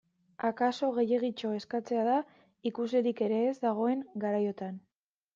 Akaso gehiegitxo eskatzea da, ikuslerik ere ez dagoen garaiotan.